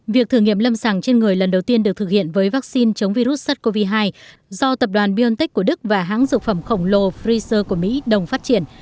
việc thử nghiệm lâm sàng trên người lần đầu tiên được thực hiện với vaccine chống virus sars cov hai do tập đoàn biontech của đức và hãng dược phẩm khổng lồ pfizer của mỹ đồng phát triển